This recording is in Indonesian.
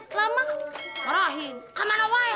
kalau pulangnya lama marahin